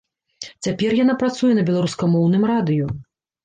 Цяпер яна працуе на беларускамоўным радыё.